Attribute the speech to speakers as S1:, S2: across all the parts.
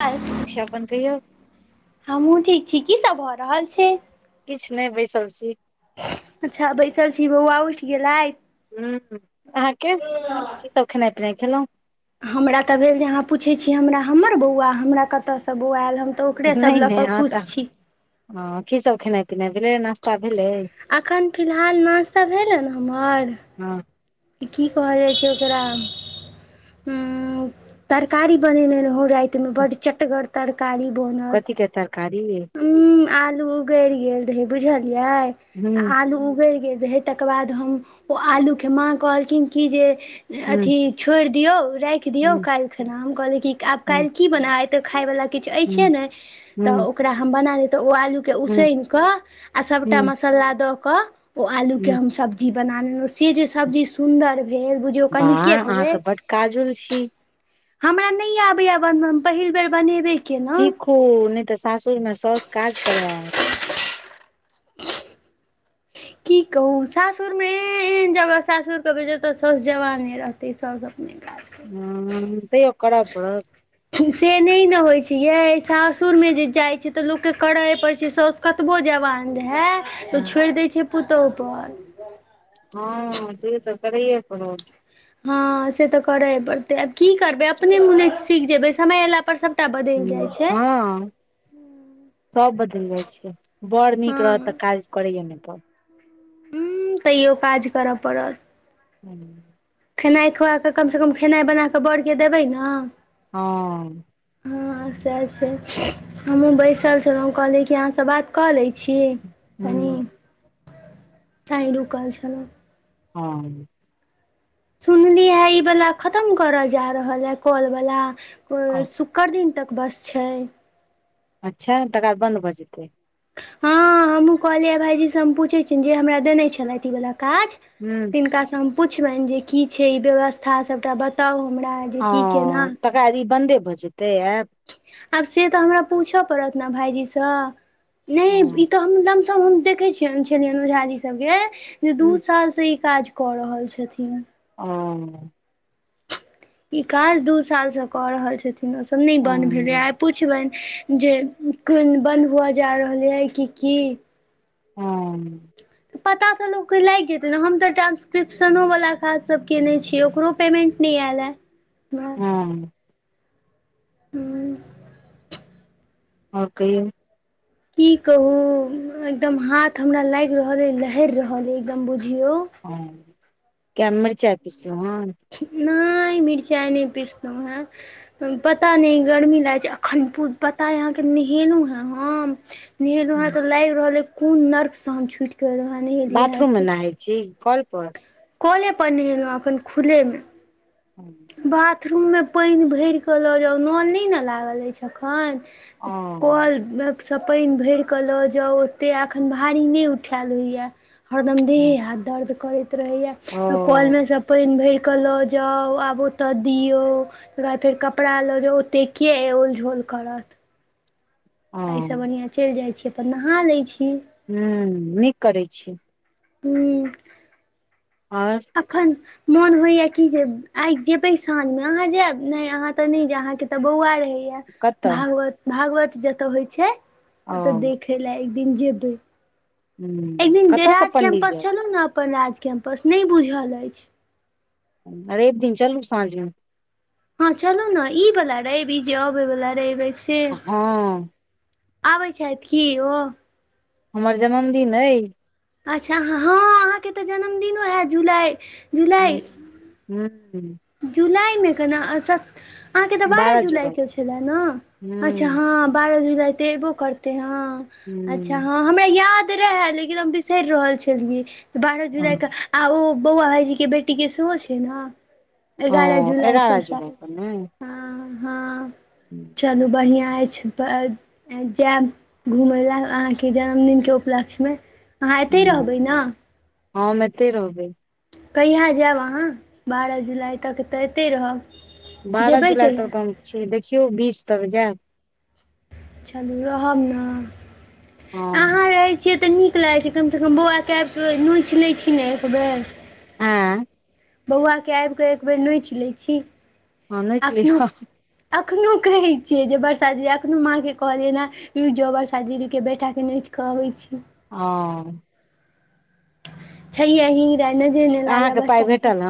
S1: अए
S2: से अपन कहियौ
S1: हमहूँ ठीक छी की सब भऽ रहल छै
S2: किछु नहि बैसल छी
S1: अच्छा बैसल छी बौआ उठि गेलय
S2: ह अहाँके कीसभ खेनाइ पिनाइ खेलहुँ
S1: हमरा तऽ भेल जे अहाँ पूछै छी हमरा हमर बौआ हमरा कतयसँ बौआ आयल हम तऽ ओकरे सभ लऽ कऽ खुश छी
S2: ह कि सब खेनै पिनै भेलै नस् ता भेलै
S1: अखन फिलहाल नाश्ता भेलै ने हमर
S2: हँ
S1: की कहल जाइ छै ओकरा उ तरकारी बनेने रहो राईत एत मे बड चटगर तरकारी बनल
S2: कथी के तरकारी
S1: उ आलू उगैड़ गेल रहै बुझलियै
S2: हूँ
S1: आलू उगैड़ गेल रहै तकर बाद‌ हम ओ आलु के मां कहलखिन की जे
S2: हूँ
S1: अथि छोड़ दियौ दियौ
S2: हूँ
S1: काल्हि खना हम कहल मैं कि आब
S2: हूँ
S1: की बनाउ आय तऽ खाय वला किछु अइछे ने
S2: हूँ
S1: तऽ ओकरा हम बना लेब तऽ ओ आलू के
S2: हूँ
S1: उसैन कऽ आ सभटा
S2: हूँ
S1: मसाला दऽ कऽ ओ आलू के
S2: हूँ
S1: हम सब्जी बना लेलु से जे सब्जी सुन्दर भेल बुझियौ कनिके
S2: वाह
S1: भेल
S2: अहाँ तऽ बड काजुल छी
S1: हमरा नहि आबैय यै बनब हम पहिल बेर बनेबे कलहुँ
S2: सीखू नहि तऽ सासुर मे साउस काज करैत
S1: की कहू सासुर मे एन जगह सासुर के भेज ते साउस जवान रहतै ताहि सबसँ अपने काज
S2: हूं तइयो कर
S1: से नहि ने होइत छै यै सासुरमे जे जाइत छै तऽ लोक के करय पड़ैत छै सास कतबो जवान रहै तऽ ओ छोड़ि दै छै पुतोह पर
S2: हँ तै तऽ करैए पर
S1: हँ से तऽ करै पड़तै आब की करबै अपने मुने सीख जेबै समय एयला पर सभ
S2: ह हँ सब बदैल जाइ छै बड़ नीक
S1: हँ
S2: रहत तऽ काज करैय ने परत
S1: उँ तैयो काज करय पड़त
S2: हूँ
S1: खेनाइ खुआ कऽ कमसँ कम खेनाइ बना कऽ बरके देबै ने
S2: हँ
S1: हँ सहै छै हमहुँ बैसल छलहुँ कहलिय कि अहाँसँ बात कऽ लै छी कनी
S2: हूँ
S1: तै रुकल छलहुँ
S2: हां
S1: सुनली है ई वला खतम करऽ जा रहल है काॉल वला शुक्र दिन तक बस छै
S2: अच्छा तकर बाद बन्द भऽ जेतै
S1: हँ हमहूँ कहलियै भाइजी सँ हम पूछैत छियनि जे हमरा देने छलै इ वला काज
S2: हूं
S1: तिनका से हम पुछबनि जे की छै ई व्यवस्था सबटा बताउ हमरा जे
S2: ह
S1: की केना
S2: तकर बाद ई बन्दे भऽ जेतै ऐप
S1: आब से तऽ हमरा पूछऽ पड़त ने भाईजी सँ नहि ई
S2: हूँ
S1: तऽ हम तब हम देखय छियै ओझा जी के इ सभ के दू साल से इ काज कऽ रहल छथिन
S2: ओ
S1: ई काज दू साल से कऽ रहल छथिन ओसभ नहि बंन्द भेलै
S2: हूँ
S1: आब पुछबनि जे कोन बन्द हुआ जा रहलै है कि की
S2: हां
S1: [inaudible] पता तऽ लोक के लागि जेतै ने हम तऽ ट्रान्स्क्रिप्शनो वला काज सब कने छियै ओकरो पेमेन्ट नहि ऐल ये [inaudible]
S2: हूँ
S1: हूँ
S2: आओर कहियौ
S1: की कहु एकदम हाथ हमरा लागि रहल ए लहर रहल ए एकदम बुझियो
S2: हँ किया मिर्चाय पिसलु‌ हैं
S1: नहि मिर्चाई नहि पिसलू है पता नहि गर्मी लागै छै अखन पता यै अहाँके नहेलू है हम नहेलू है
S2: हन
S1: त लाइग रहल है कोन नर्क से हम छुट के एलु है
S2: बाथरूम मे नहाइ छी कल पर
S1: कले पर नहेलू है एखन खुलेमे
S2: हँ [inaudible]
S1: बाथरूममे पानि भरिकऽ लऽ जाउ नल नहि ने लागल अछि अखन
S2: ओ
S1: कल [unintelligible] कल सँ पानि भरि कऽ लऽ जाउ ओतेक एखन भारी नहि उठायएल होइए हरदम देहे हाथ दर्द करैत रहे य त कल
S2: ओ
S1: में सब पानि भर के लऽ जाउ आब ओतऽ दियौ तकर बाद फेर कपड़ा लऽ जे ओतेक ओलझोल करत एहिसँ बढ़िआँ चलि जाइत छी नहा लय छी
S2: हूं नीक करै छी
S1: हू
S2: आओर
S1: अखन मोन होइया कि जे आइ जेबे साँझ मे अहाँ जायब नहि अहाँ ते नहि जायब अहाँ के तऽ बौआ रहैया
S2: कतऽ
S1: भागवत भागवत जतऽ होइ छै ओतए
S2: ओ
S1: देखे लै एक दिन जेबै
S2: ह
S1: एक दिन
S2: कतयसँ
S1: राज
S2: पंडित
S1: कैम्पस
S2: जायत
S1: छलहु ने अपन राज कैम्पस नहि बुझल अछि
S2: रइव दिन चलू साँझमे
S1: हँ चलू ने ई वला रबी जे अबै वला रबी है से
S2: हँ
S1: आबै छथि की ओ
S2: हमर जन्मदिन अइ
S1: अच्छा हँ अहाँके तऽ जन्मदिनो हएत जुलाइ
S2: हू हू
S1: जुलाइमे केना अस अहाँके तऽ बारह जुलाइ के छलए ने अच्छा
S2: ह
S1: हँ बारह जुलाई तऽ अयबो करतै हँ अच्छा हँ हमरा याद रहए लेकिन हम बिसरि रहल छलियै बारह
S2: ह
S1: जुलाईके आ ओ बौआ भाईजी के बेटीके सेहो छै ने एगारह जुलाई
S2: एगारह जुलाई
S1: कसाय
S2: पर ने
S1: हँ हँ चलू बढ़िआँ अइछ ब जैब घुमय लए अहाँके जन्मदिनके उपलक्ष्यमे अहाँ एतै रहबै ने
S2: हँ एतै रहबै
S1: कहिया जैब अहाँ बारह जुलाइ तक तऽ अते रहब
S2: बारह
S1: जेबै
S2: जुलाई
S1: कहिया
S2: तक हम छीयै देखियौ बीस तक जायब
S1: चलू रहब ने
S2: हँ
S1: अहाँ रहय छियै तऽ नीक लागै छै कमसँ कम बौआ कै क नोच लै छी ने एकबर
S2: हँ
S1: बौआके आइब कऽ एक बेर नहि चलैत छी
S2: हँ नोचि लिय
S1: एखनोहु
S2: हँ
S1: अखनो कहय छियै जे बरसा दी अखनो माँ के कहलियै ने जोबर शादी के बेटाक के नोच केऽ अब छी
S2: हँ
S1: छैय ही नजर नहि लागै
S2: अहाँके पाइ
S1: बच्चा के
S2: भेटल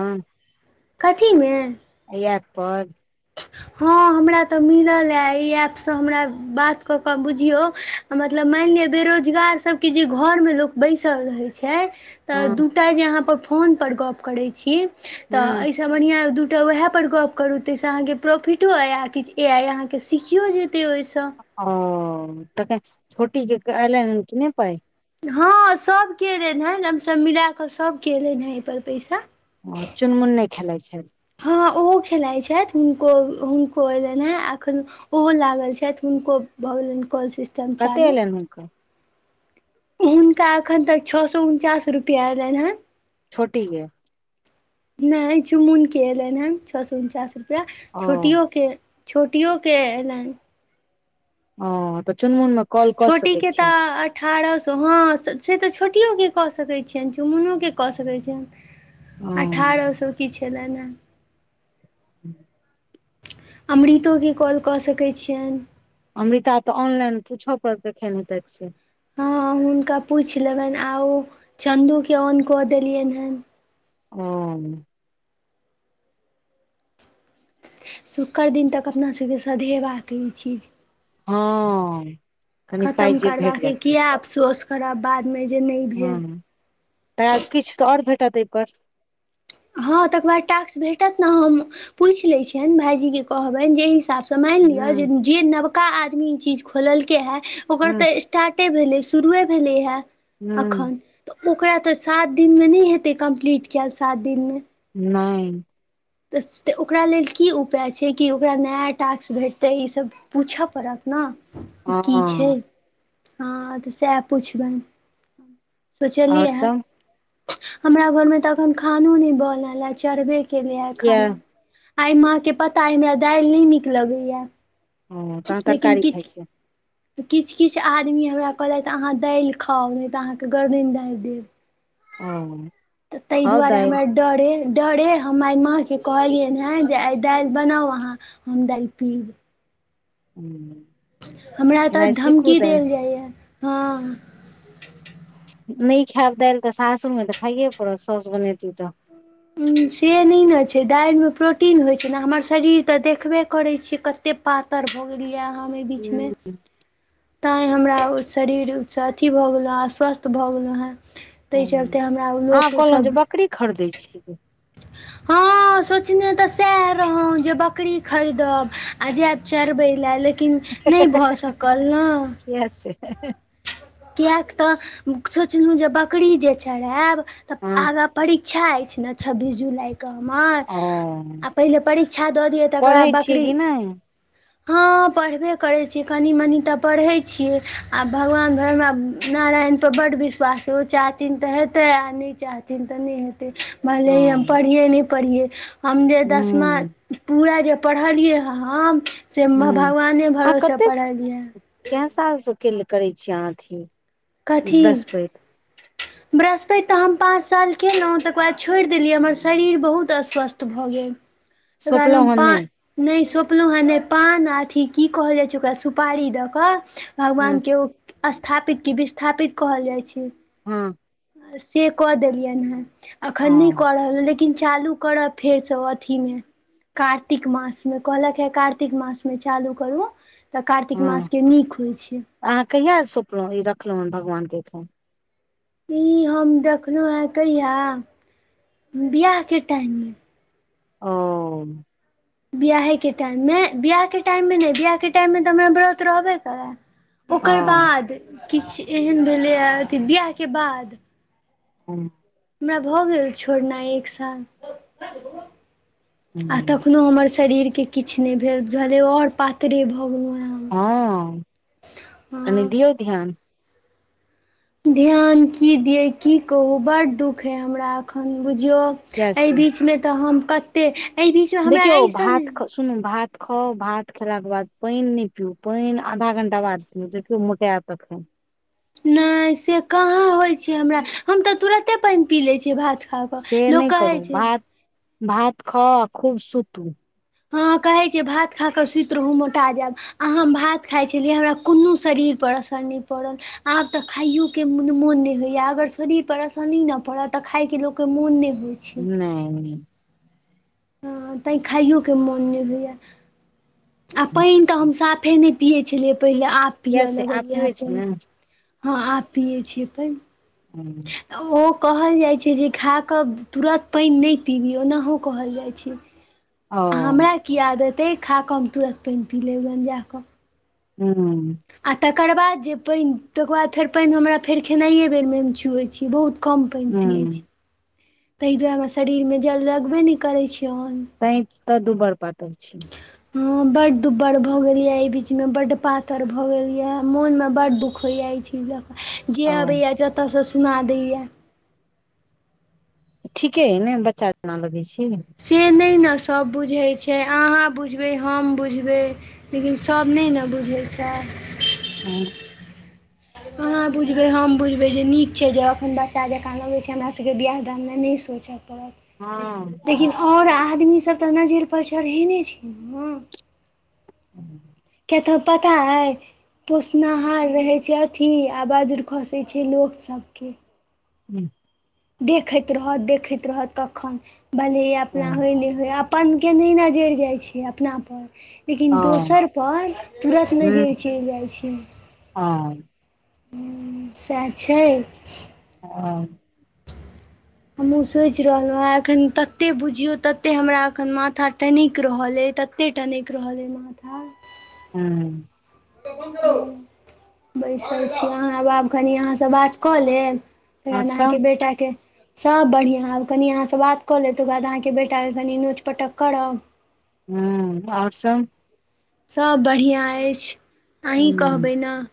S1: कथी मे
S2: यत
S1: हँ हमरा तऽ मिलल यए एहि ऐपसँ हमरा बात कऽ कऽ बुझियउ मतलब माइन लि बेरोजगार सब के जे घर में लोग बैसल रहे छै
S2: हँ
S1: दो ग करै
S2: ह
S1: बढ़िआँ दू टा वएहप पर गप करू ताहिसँ अहाँके प्रॉफिटो अइ आ किछ अइ अहाँकेँ सिखियो जेतै ओहिसँ
S2: ओ तऽ छोटी जे एल कि नहि पाय
S1: हँ सब क अयलनि हँ हमसभ मिल कऽ सभ अयलनि हेँ एहिपर पैसा
S2: ओ चुनमुन नय खेलाइ छै
S1: हँ ओहो खेलाइत छइथ हुनको हुनको एयलनि हेँ एखन ओहो लागल छइथ हुनको भऽ गेलनि कॉल सिस्टम
S2: कते
S1: चालू
S2: एयलनि हुनकर
S1: हुनका एखन तक छओ सए उनचास रुपैआ एयलइन हेँ
S2: छोटी यइ
S1: नय चुमुनके अयलनि हेँ छौ सए उनचास रुपैआ
S2: ओ
S1: छोटियो छोटियो के अयलनि
S2: ओ तऽ चुन मुन
S1: छोटी के तऽ अठारह सए हँ से तऽ छोटियोके कऽ सकैत छियनि चुमुनोके कऽ सकैत
S2: ओ
S1: छियनि अठारह सौ की छलैनय हें
S2: ह्म
S1: अमृतो के कॉल कऽ सकैन छियैन
S2: अमृता तऽ ऑनलाइन पूछय पड़तैखेन हेतै से
S1: हँ हुनका पुइछ लेबनि आ ओ चन्दूे ऑन कऽ देलियनि हँ
S2: ओ
S1: शुक्र दिन तक अपना सभके सधेबाक ई चीज
S2: हँ कनि
S1: खतम
S2: पहिजे भेट
S1: करबाक
S2: जात
S1: अइ
S2: पहि
S1: किया अफसोस करब बादमें जे नहि भेल
S2: तैं किछु तऽ आओर भेटत एहिपर
S1: हँ तकर बाद टास्स भेटत ने हम पुइछ लैत छियनि भाईजी के कहबनि जे हिसाबसँ मेन लिअ
S2: हूँ
S1: जे नवका आदमी ई चीज खोललकै हँ ओकर
S2: हूँ
S1: तऽ स्टाटे भेलै शुरुए भेलै ह
S2: हूँ
S1: अखन। ओकरा तऽ सात दिनमे नहि हेतै कम्प्लीट कयल सात दिनमे
S2: नहि
S1: तऽ ओकरा लेल की उपाय छै कि ओकरा नया टास्क भेटतै ईसभ पूछैय पड़त न इ की छैय
S2: हँ
S1: हँ तऽ सएह पुछबै '
S2: आओर
S1: सोचलियै ह
S2: सब
S1: हमरा घर मे तऽ अखन खानो न बनल हे चढ़बे केेले हे
S2: किया
S1: खाना आइ माँके पताइ हमरा दालि नहि नीक लगैय
S2: ओ तहन
S1: लेकिन
S2: तरकारी खाइ
S1: किछ
S2: छियै
S1: ' तऽ किछ किछ आदमी हमरा कहलथि अहाँ दाल खाउ नहि तऽ अहाँके गर्दन दाइब देब
S2: हाँ
S1: तऽ एहि दुआरे हमे डरे डरे हम आइ माँके कहलियनि हँ जे आइ दाइल बनाउ अहाँ हम दाइल पी
S2: हू
S1: हमरा तऽ धमकी देल जाइए या हँ
S2: नहि खायब दाइल तऽ सासो मे तऽ खाइए पड़त सौस बनेती तऽ
S1: से नहि नै नऽ छैय दालिमे प्रोटीन होइ छै ने हमर शरीर तऽ देखबे करै छियै कते पातर पातर भ गेलियै अहाँ ऐ
S2: हूँ
S1: बीचमे तैँ हमरा ओ शरीरसँ अथि भऽ गेलौ हँ अस्वस्थ भऽ गेलहुँ हे ताहि चलते हमरा लोकसभ
S2: कीरी [unintelligible] खरदै छि
S1: हँ सोचनेँ तऽ सएह रहौ जे बकरी खरीदब जाब चरबै लए लेकिन नहि भऽ सकल न
S2: इहै से
S1: किएक तऽ सोचलहुँ जे बकरी जे चरायब तऽ
S2: हँ
S1: आगाँ [unintelligible] परीक्षा अछि न छब्बीस जुलाइके कहर
S2: ओ
S1: [unintelligible] आ पहिले परीक्षा दऽ दिय तक बाद
S2: पढ़ै छियै
S1: बकरी
S2: कि नहि
S1: हँ पढ़बे करैत छ कनि मनि तऽ पढ़ैत छियै आ भगवान भगवान हमरा नारायण पर बड्ड विश्वास ओ चाहथिन तऽ हेतै आ नहि चाहथिन तऽ नहि हेतै भले हम
S2: हँ
S1: पढ़ियै या नैय पढ़ियै हम जे दसमा।
S2: हूँ
S1: पूरा जे पढ़लियै हँ हम से
S2: हूँ
S1: भगवाने
S2: अहाँ
S1: भरोसे
S2: कते
S1: पढ़लियै
S2: कए सालसँ उक [unintelligible] करै छीै अहाँ अथी ई
S1: कथी
S2: बृहस्पति
S1: बृहस्पति तऽ हम पाँच साल कयेलहुँ तकर बाद छोड़ देलियै हमर शरीर बहुत अस्वस्थ भऽ गेल त हम
S2: सोपलहुँ हन
S1: प
S2: नहि
S1: [unintelligible] नहि सोँपलहुँ हेँ नहि पान अथि की कहल जाइ छै ओकरा सुपारी दऽ कऽ
S2: हँ
S1: भगवानके ऊ स्थापित कि विस्थापित कहल जाइ छै
S2: हँ
S1: से कऽ देलियनि हेँ अखन नहि
S2: हँ
S1: करब लेकिन लेकिन चालू करब फेरसँ अथी मे कार्तिक मासमे कहलक हे कार्तिक मासमे चालू करू तऽ कार्तिक
S2: हँ
S1: मासके नीक होइत छै
S2: अहाँ कहिया सोंपलहुँ ई रखलहु हन भगवान के एखन
S1: ई हम देखलहुँ कहिया बिआहके टाइममे।
S2: ओ।
S1: बियाहेके टाइमे नहि बियाहके टाइमे नहि बियाहके टाइमे तऽ हमरा व्रत रहबे करत। ओकर
S2: हँ
S1: बाद किछ एहन भेलैए अथी बिआहके बाद
S2: हँ।
S1: हमरा भऽ गेल छोड़नाइ एक साल। आ तखनो हमर शरीरके किछु नहि भेलले आओर पातरे भऽ गेलहु।
S2: हँ, कनि
S1: हँ
S2: दियौ ध्यान।
S1: ध्यान कि दियअ की कहू बड्ड दुःख हाइ हमरा एखन बुझियौ।
S2: किया
S1: एहि
S2: से
S1: बीचमे तऽ हम कतेक एहि बीचमे हमरा
S2: देखियौ
S1: अइसन
S2: भात
S1: नहि।
S2: ख सुनू भात खाउ भात खेलाके बाद पाइन नहि पीउ पाइन आधा घंटा बाद देखियो मोटैत तखन
S1: नहि से कहाँ होइ छै, हमरा हम तऽ तुरते पाइन पी लै छी भात। खा
S2: से
S1: कऽ लोक
S2: नहि करू
S1: कहै छै
S2: भात खाउ खूब सुतू।
S1: हँ, कहै छियै भात खा कऽ सुति रहू मोटा जायब। आ हम भात खाइत छलियै हमरा कोनो शरीरपर असर नहि पड़ल आब तऽ खाइयो। के मोन नहि होइया अगर शरीरपर आसानी नहि पड़त तऽ खायके लोककेँ मोन नहि होइ।
S2: नहि, नहि।
S1: हँ, तैँ खाइयोके मोन नहि होइए। आ पाइन तऽ हम साफे नहि पियैत छलियै पहिने आब।
S2: किया
S1: पीऽ
S2: से आब
S1: लगल या
S2: पिबै छी ने
S1: हँ आब पियै छी पाइन।
S2: हूँ।
S1: ओ कहल जाइत छै, जे खा कऽ तुरन्त पाइन नहि पीबी ओनाहो कहल जाइत छै।
S2: ओ
S1: हमरा कि आदत आइ खाकऽ हम तुरन्त पाइन पी लब गन जाकऽ।
S2: हू।
S1: आ तकर बाद जे पाइन तकर बाद फेर पाइन हमरा फेर खेनाइए बेरमे हम छुहैत छी बहुत। कम पाइन पियै
S2: हूं
S1: छी ताहि दुआरे हम शरीरमे जल लगबे नहि करै छै ओन।
S2: तैं तऽ दुबर पातर छी।
S1: ह, बड दुब्बर भऽ गेल ये इ बीचमें बड पातर भए गेल ये मोनमें बड दुख होया छै जे
S2: ओ
S1: अबैया जतऽ सँ सुना दैया।
S2: ठीके हइ ने बच्चा जनाकऽ लगै छी
S1: से नहि ने सभ बुझैत छै अहाँ बुझबै हम बुझबै। लेकिन सभ नहि ने बुझैत छै।
S2: हँ।
S1: अहाँ बुझबै हम बुझबै जे निक छै, जे अपन बच्चा जकाँ लबै छै, हमरा सभके बियाह दाल नहि नहि सोचै। ताकात [unintelligible]
S2: हँ।
S1: लेकिन आओर आदमी सभ तऽ नजरि पर चढ़ेने छै ने।
S2: [inaudible]
S1: कै तोरा पता है। पोसनाहार रहै छै, अथि आ बाजर खसै छै, लोक सभके
S2: हूँ।
S1: देखैत रहत देखैत रहत कखन भले अपना होय नहि होय आ। पनके नहि नज़ाइर जाइ छै, अपना पर। लेकिन
S2: ओ
S1: दोसर पर तुरन्त नाजर चलि जाइ छै।
S2: ओ
S1: सएह छै
S2: ह
S1: हमहूँ सोइचि रहलहुँ हेँ एखन तते बुझियौ तते हमरा एखन माथा टनैक रहल अछि तत एते टानैक रहल अइ माथा
S2: हूँ
S1: बैसल छी अहाँ आब आाप कनि अहाँसँ बात कऽ लेब
S2: आओर सब
S1: [unintelligible] बेटा के सभ बढ़िआँ आब कनि अहाँसँ बात कऽ लेत त ओकर बाद अहाँके बेटाके कनि नोच पटक करब
S2: हूँ आओर सब
S1: सब बढ़िआँ अछि अहीँ कहबै ने